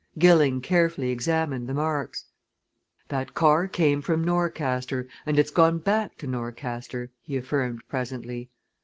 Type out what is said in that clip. Gilling carefully examined the marks. "That car came from Norcaster and it's gone back to Norcaster," he affirmed presently.